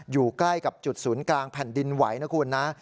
อยู่ใกล้กับจุดศูนย์กลางแผ่นดินไหวนะคุณนะ